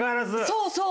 そうそう。